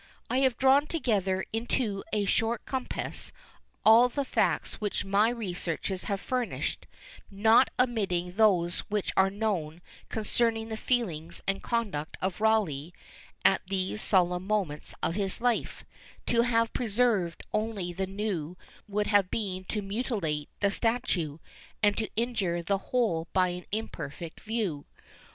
I have drawn together into a short compass all the facts which my researches have furnished, not omitting those which are known, concerning the feelings and conduct of Rawleigh at these solemn moments of his life; to have preserved only the new would have been to mutilate the statue, and to injure the whole by an imperfect view.